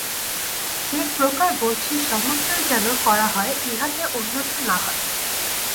যে প্রকার বলছি সমস্তই যেন করা হয়, ইহাতে অন্যথা না হয়।